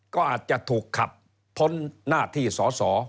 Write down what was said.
ก็อาจจะถูกขับพ้นหน้าที่สอสอ